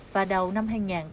và đầu năm hai nghìn hai mươi một